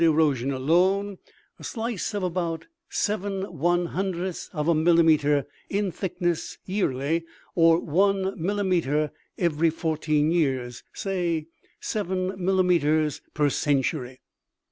85 erosion alone, a slice of about seven one hundredths of a millimeter in thickness yearly, or one millimeter every fourteen years say seven millimeters per century.